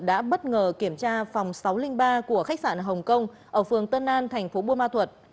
đã bất ngờ kiểm tra phòng sáu trăm linh ba của khách sạn hồng kông ở phường tân an thành phố buôn ma thuật